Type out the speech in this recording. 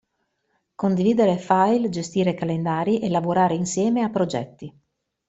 Condividere file, gestire calendari e lavorare insieme a progetti.